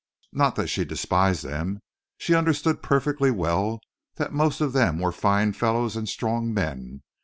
Not that she despised them. She understood perfectly well that most of them were fine fellows and strong men.